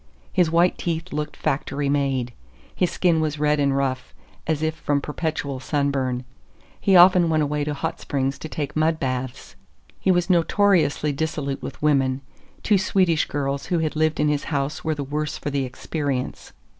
His white teeth looked factory made. His skin was red and rough, as if from perpetual sunburn; he often went away to hot springs to take mud baths. He was notoriously dissolute with women. Two Swedish girls who had lived in his house were the worse for the experience.